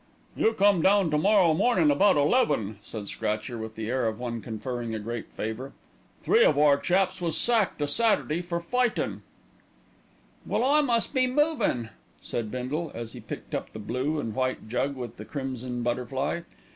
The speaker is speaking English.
"You come down to morrow mornin' about eleven," said Scratcher with the air of one conferring a great favour. "Three of our chaps was sacked a Saturday for fightin'." "Well, I must be movin'," said Bindle, as he picked up the blue and white jug with the crimson butterfly.